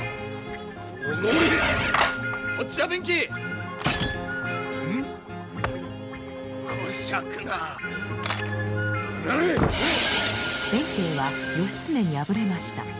弁慶は義経に敗れました。